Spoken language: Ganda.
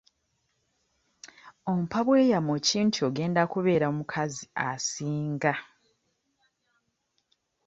Ompa bweyamo ki nti ogenda kubeera omukazi asinga?